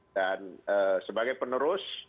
dan sebagai penerus